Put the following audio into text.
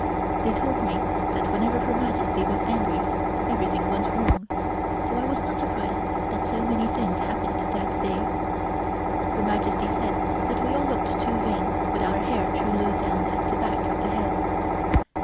They told me that whenever Her Majesty was angry everything went wrong, so I was not surprised that so many things happened that day. Her Majesty said that we all looked too vain with our hair too low down at the back of the head.